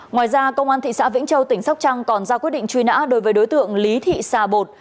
ngoài ra công an thị xã vĩnh châu tỉnh sóc trăng còn ra quyết định truy nã đối với đối tượng lý thị xà bột